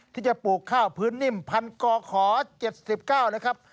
ที่จะปลูกข้าวพื้นนิ่มพันก่อขอ๗๙นะครับ